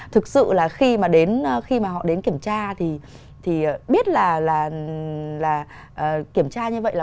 thực sự là khi mà họ đến kiểm tra thì biết là kiểm tra như vậy là